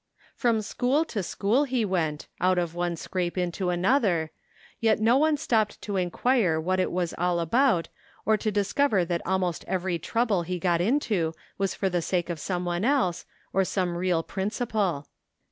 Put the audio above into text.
From school to school he went, out of one scrape into another, yet no one stopped to enquire what it was all about or to discover that almost every trouble he got into was for the sake of someone else, or some real principle.